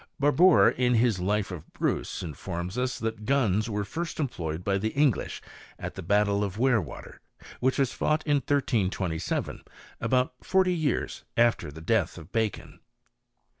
Barbour, in his life of Bruce, informs us that guns were first employed by the English at the battle of Werewater, which was fought in 1327, about forty years after the death of Bacon.